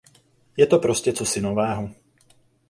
Je to prostě cosi nového.